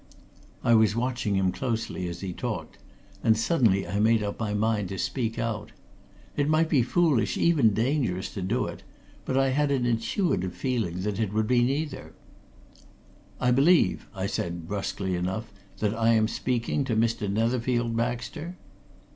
I was watching him closely as he talked, and suddenly I made up my mind to speak out. It might be foolish, even dangerous, to do it, but I had an intuitive feeling that it would be neither. "I believe," I said, brusquely enough, "that I am speaking to Mr. Netherfield Baxter?"